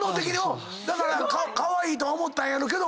だからカワイイとは思ったんやろうけど。